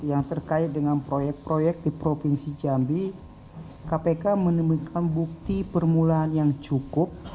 yang terkait dengan proyek proyek di provinsi jambi kpk menemukan bukti permulaan yang cukup